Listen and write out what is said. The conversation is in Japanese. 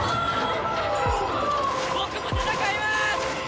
僕も戦いまーす！